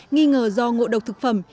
nghi ngờ do ngộ độc thực phẩm